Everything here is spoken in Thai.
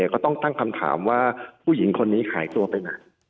ก็ต้องตั้งคำถามว่าผู้หญิงคนนี้หายตัวไปไหน